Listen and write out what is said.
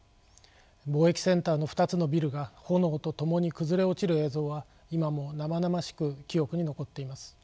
貿易センターの２つのビルが炎と共に崩れ落ちる映像は今も生々しく記憶に残っています。